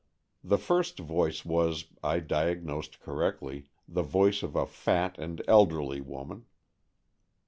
The first voice was, I diag nosed correctly, the voice of a fat and elderly woman.